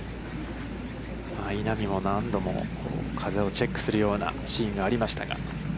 稲見も何度も風をチェックするようなシーンがありましたが。